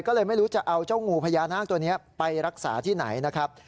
ก็เลยไม่รู้จะเอาเจ้างูพญานาคตัวนี้ไปรักษาที่ไหนนะครับ